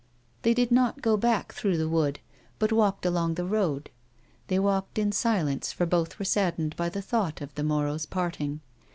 They did not go back through the wood, but walked along the road ; they walked in silence for both were saddened by the thought of the morrow's ]:)arting.